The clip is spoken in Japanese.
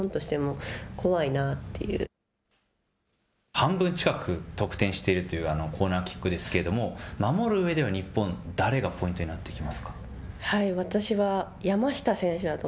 半分近く得点しているというコーナーキックですけれども、守るうえでは日本、誰がポイントになってきますか？